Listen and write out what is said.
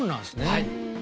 はい。